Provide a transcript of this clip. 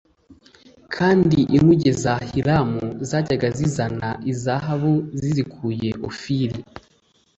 Kandi inkuge za Hiramu zajyaga zizana izahabu zizikuye Ofiri